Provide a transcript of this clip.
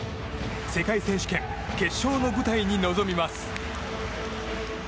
世界選手権決勝の舞台に臨みます。